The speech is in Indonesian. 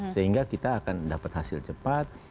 sehingga kita akan dapat hasil cepat